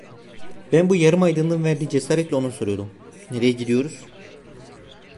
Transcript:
Ben bu yarım aydınlığın verdiği cesaretle ona soruyordum: "Nereye gidiyoruz?"